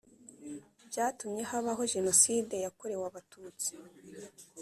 byatumye habaho jenoside yakorewe Abatutsi